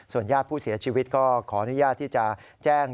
ญาติผู้เสียชีวิตก็ขออนุญาตที่จะแจ้ง